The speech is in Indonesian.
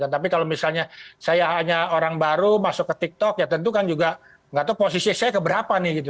tapi kalau misalnya saya hanya orang baru masuk ke tiktok ya tentu kan juga nggak tahu posisi saya keberapa nih gitu